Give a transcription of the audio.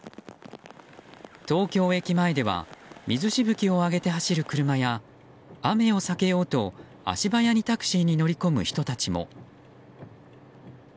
東京駅前では水しぶきを上げて走る車や雨を避けようと、足早にタクシーに乗り込む人たちも。